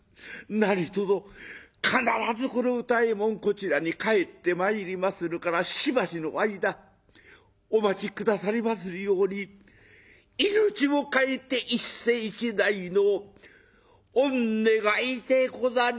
何とぞ必ずこの歌右衛門こちらに帰ってまいりまするからしばしの間お待ち下さりまするように命を代えて一世一代の御願いでござりまする」。